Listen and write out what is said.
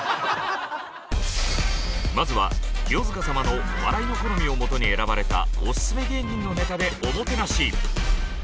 まずは清塚様の笑いの好みをもとに選ばれたオススメ芸人のネタでおもてなし。